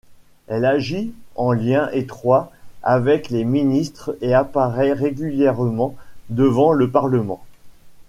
Elle agit en lien étroit avec les ministres et apparaît régulièrement devant le Parlement.